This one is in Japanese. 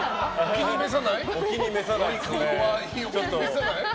お気に召さないですね。